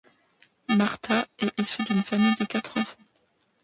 Marta est issue d’une famille de quatre enfants.